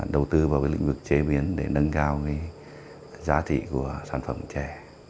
đầu tư vào cái lĩnh vực chế biến để nâng cao cái giá trị của sản phẩm trè